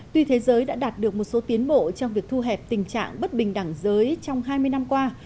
tuy thế giới đã đạt được một số tiến bộ trong việc thu hẹp tình trạng bất bình đẳng giới trong hai mươi năm qua